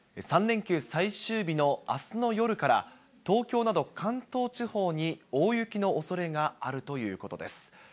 ３連休最終日のあすの夜から、東京など関東地方に大雪のおそれがあるということです。